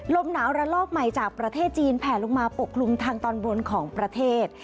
ลมหนาวระลอกใหม่จากประเทศจีนแผลลงมาปกคลุมทางตอนบนของประเทศ